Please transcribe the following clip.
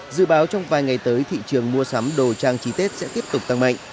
dự báo trong vài ngày tới thị trường mua sắm đồ trang trí tết sẽ tiếp tục tăng mạnh